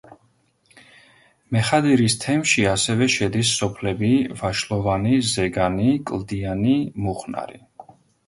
მეხადირის თემში ასევე შედის სოფლები: ვაშლოვანი, ზეგანი, კლდიანი, მუხნარი.